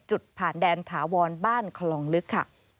จุดผ่านแดนถาวรบ้านคลองลึกค่ะ